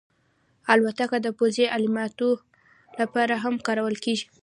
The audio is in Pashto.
الوتکه د پوځي عملیاتو لپاره هم کارول کېږي.